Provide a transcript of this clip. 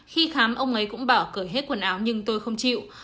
khi khám ông ấy cũng bảo cửa hết quần áo nhưng tôi không chịu